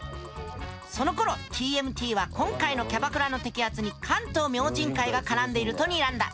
そのころＴＭＴは今回のキャバクラの摘発に関東明神会が絡んでいるとにらんだ。